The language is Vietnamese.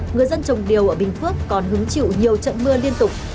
người dân trồng điều ở bình phước còn hứng chịu nhiều trận mưa liên tục